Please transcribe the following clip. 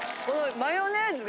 マヨネーズが。